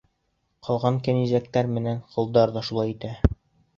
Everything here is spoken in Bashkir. Ҡалған кәнизәктәр менән ҡолдар ҙа шулай итә.